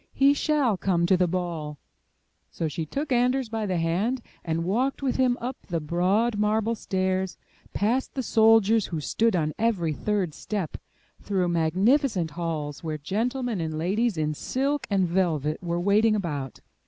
He shall come to the ball." So she took Anders by the hand and walked with him up the broad marble stairs, past the soldiers who stood on every third step, through magnificent halls where gentlemen and ladies in silk and velvet were 14 UP ONE PAIR OF STAIRS IS MY BOOK HOUSE waiting about.